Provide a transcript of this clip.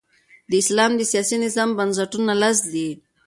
د اسلام د سیاسي نظام بنسټونه لس دي.